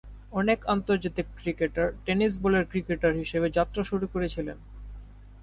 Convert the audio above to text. অনেক আন্তর্জাতিক cricketer tennis বলের ক্রিকেটার হিসাবে যাত্রা শুরু করেছিলেন।